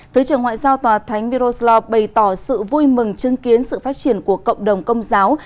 thứ trưởng ngoại giao tòa thánh miroslav bày tỏ sự vui mừng chứng kiến sự phát triển của cộng đồng công giáo